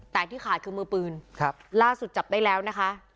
แต่ที่ขาดคือมือปืนล่าสุดจับได้แล้วนะคะ